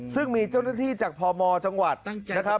ซึ่งมีเจ้าหน้าที่จากพมจังหวัดนะครับ